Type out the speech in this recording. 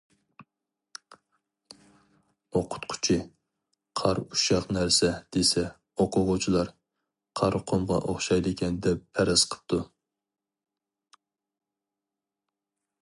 ئوقۇتقۇچى:« قار ئۇششاق نەرسە» دېسە، ئوقۇغۇچىلار، قار قۇمغا ئوخشايدىكەن، دەپ پەرەز قىپتۇ.